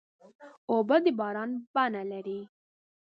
اوبه د باران بڼه لري.